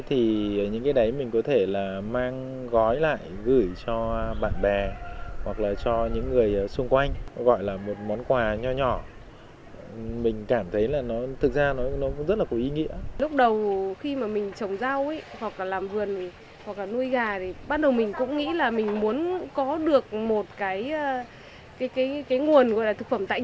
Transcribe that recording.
điều này khiến gia đình anh cảm thấy yên tâm hơn trong mỗi bữa ăn